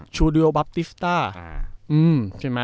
จูดิโอบัปติสต้า